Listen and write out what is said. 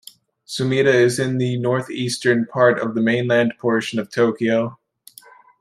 Sumida is in the northeastern part of the mainland portion of Tokyo.